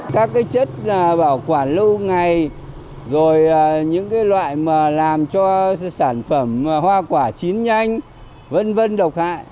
các chất bảo quản lâu ngày những loại làm cho sản phẩm hoa quả chín nhanh vân vân độc hại